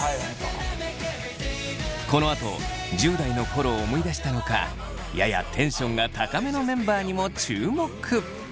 このあと１０代の頃を思い出したのかややテンションが高めのメンバーにも注目。